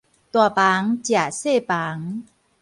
大房食細房